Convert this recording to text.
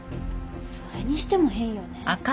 それにしても変よね。